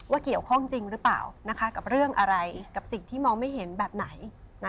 เกี่ยวข้องจริงหรือเปล่ากับเรื่องอะไรกับสิ่งที่มองไม่เห็นแบบไหน